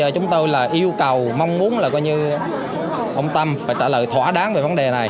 cầu mong muốn là coi như ông tâm phải trả lời thỏa đáng về vấn đề này